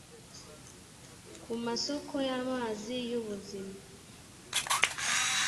ku masoko y’amazi y’ubuzima